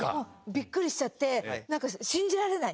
びっくりしちゃって何か信じられない。